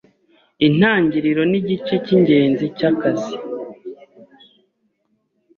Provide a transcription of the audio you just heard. Intangiriro nigice cyingenzi cyakazi.